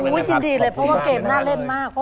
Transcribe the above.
โอ้โหจริงเลยเพราะว่าเกมน่าเล่นมาก